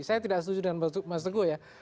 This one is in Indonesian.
saya tidak setuju dengan mas teguh ya